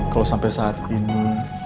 kalau sampai saat ini